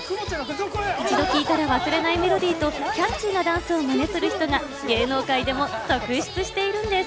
一度聞いたら忘れられないメロディーとキャッチーなダンスをマネする人が芸能界でも続出しているんです。